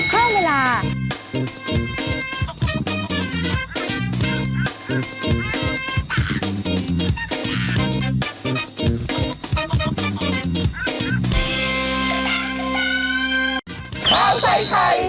ค่อยเวลา